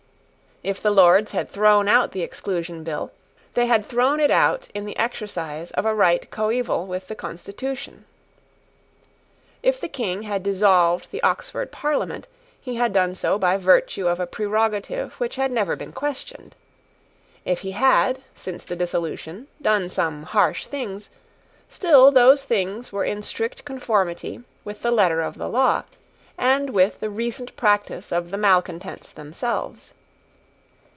If the Lords had thrown out the Exclusion Bill, they had thrown it out in the exercise of a right coeval with the constitution. If the King had dissolved the Oxford Parliament, he had done so by virtue of a prerogative which had never been questioned. If he had, since the dissolution, done some harsh things, still those things were in strict conformity with the letter of the law, and with the recent practice of the malecontents themselves.